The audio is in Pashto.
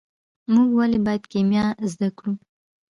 موږ ولې باید کیمیا زده کړو.